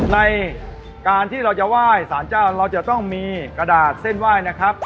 ในการที่เราจะไหว้สารเจ้าเราจะต้องมีกระดาษเส้นไหว้นะครับ